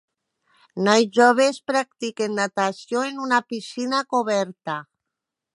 Nois joves practiquen natació en una piscina coberta.